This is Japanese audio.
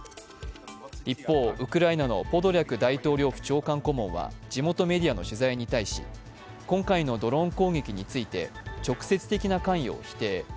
一方、ウクライナのポドリャク大統領府長官顧問は地元メディアの取材に対し今回のドローン攻撃について直接的な関与を否定。